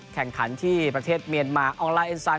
แข่งขันตีวิชาเมียนมาร์องลาเอ็นซาน